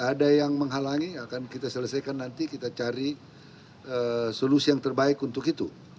ada yang menghalangi akan kita selesaikan nanti kita cari solusi yang terbaik untuk itu